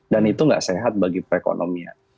dan itu nggak sehat bagi perekonomian